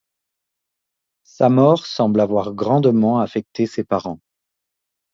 Sa mort semble avoir grandement affecté ses parents.